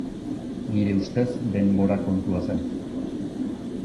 Nire ustez denbora kontua zen.